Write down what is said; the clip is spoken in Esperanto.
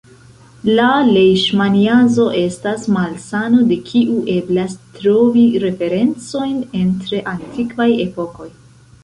La lejŝmaniazo estas malsano de kiu eblas trovi referencojn en tre antikvaj epokoj.